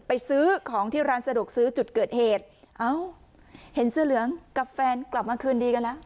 ซื้อของที่ร้านสะดวกซื้อจุดเกิดเหตุเอ้าเห็นเสื้อเหลืองกับแฟนกลับมาคืนดีกันแล้ว